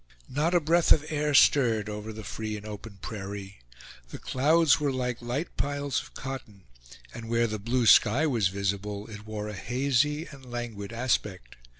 Not a breath of air stirred over the free and open prairie; the clouds were like light piles of cotton; and where the blue sky was visible, it wore a hazy and languid aspect.